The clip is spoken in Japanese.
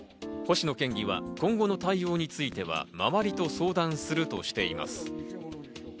星野県議は今後の対応については周りと相談するとしています。